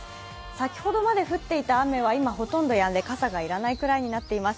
先ほどまで降っていた雨は今、ほとんどやんで、傘が要らないぐらいになっています。